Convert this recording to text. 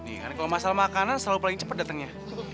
nih kan kalau masalah makanan selalu paling cepat datangnya